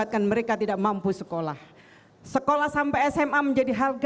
terima kasih